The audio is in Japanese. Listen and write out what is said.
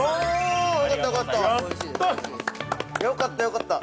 ◆あ、よかった、よかった。